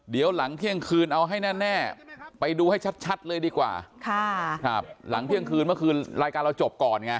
เดี๋ยวหลังเที่ยงคืนเอาให้แน่ไปดูให้ชัดเลยดีกว่าหลังเที่ยงคืนเมื่อคืนรายการเราจบก่อนไง